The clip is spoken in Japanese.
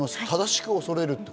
正しく恐れる。